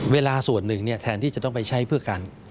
เวลาส่วนหนึ่งแทนที่จะต้องไปใช้เพื่อกัน